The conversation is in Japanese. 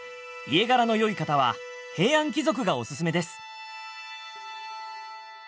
家柄のよい方は平安貴族がオススメです」。